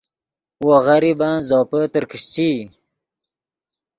وو غریبن زوپے ترکیشچئی